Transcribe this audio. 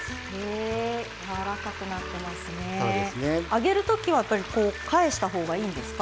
揚げる時はやっぱり返したほうがいいんですか？